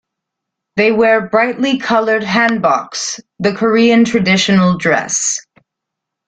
They wear brightly coloured hanboks, the Korean traditional dress.